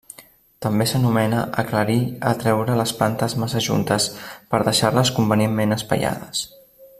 També s'anomena aclarir a treure les plantes massa juntes per deixar-les convenientment espaiades.